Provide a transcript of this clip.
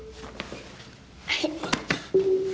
はい。